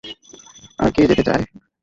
আর কে যেতে চায়?